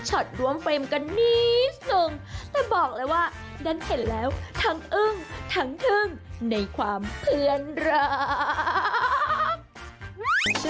ร่วมเฟรมกันนิดหนึ่งแต่บอกเลยว่าดันเห็นแล้วทั้งอึ้งทั้งทึ่งในความเพื่อนรัก